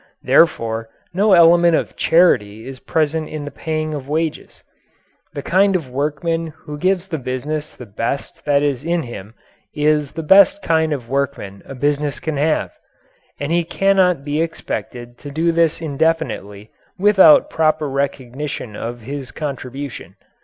Therefore no element of charity is present in the paying of wages. The kind of workman who gives the business the best that is in him is the best kind of workman a business can have. And he cannot be expected to do this indefinitely without proper recognition of his contribution.